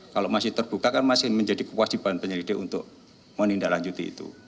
kalau masih terbuka kan masih menjadi kewajiban penyelidik untuk menindaklanjuti itu